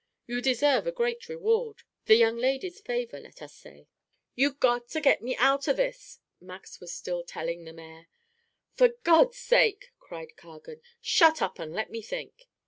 You deserve a great reward the young lady's favor, let us say." "You got to get me out of this," Max was still telling the mayor. "For God's sake," cried Cargan, "shut up and let me think."